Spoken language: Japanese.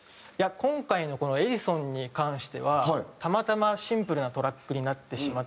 今回のこの『エジソン』に関してはたまたまシンプルなトラックになってしまったというか。